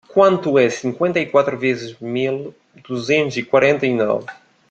quanto é cinquenta e quatro vezes mil duzentos e quarenta e nove